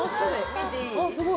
見ていい？